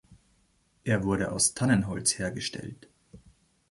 Er wurde aus Tannenholz hergestellt.